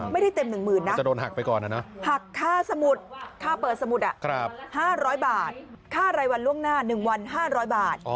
ไม่ได้เต็ม๑๐๐๐๐นะหักค่าสมุทรค่าเปิดสมุทร๕๐๐บาทค่ารายวันล่วงหน้า๑วัน๕๐๐บาท